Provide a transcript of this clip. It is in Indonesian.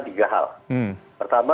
dianggap sebagai kekerasan seksual